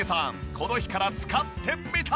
この日から使ってみた！